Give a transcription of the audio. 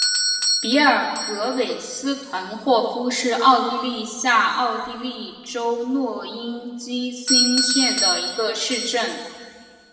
比尔格韦斯滕霍夫是奥地利下奥地利州诺因基兴县的一个市镇。